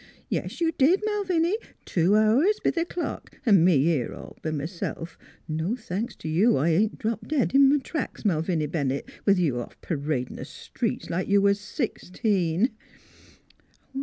Yes, you did, Malviny, two hours b' th' clock, an' me here all b' myself. No thanks t' you 'at I ain't dropped dead in m' tracks, Malviny Bennett, with you off p'radin' th' streets, like you was sixteen."